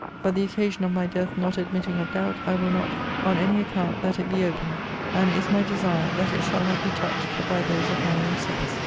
But the occasion of my death not admitting of doubt, I will not, on any account that it be opened; and it is my desire, that it shall not be touched but by those of my own sex.